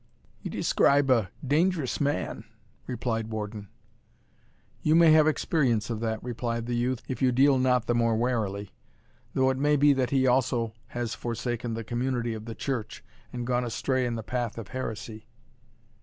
"You describe a dangerous man," replied Warden. "You may have experience of that," replied the youth, "if you deal not the more warily; though it may be that he also has forsaken the community of the church, and gone astray in the path of heresy."